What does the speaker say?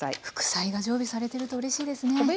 副菜が常備されてるとうれしいですね。